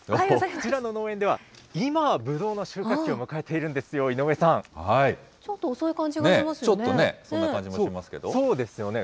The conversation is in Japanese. こちらの農園では今、ぶどうの収穫期を迎えているんですよ、ちょっと遅い感じがしますよねぇ、ちょっとね、そんな感そうですよね。